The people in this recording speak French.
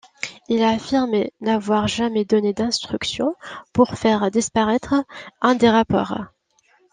Il a affirmé n'avoir jamais donné d'instructions pour faire disparaître un des rapports.